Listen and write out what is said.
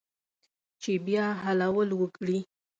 چې بیا حلول وکړي